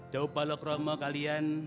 jauh pahlau kromo kalian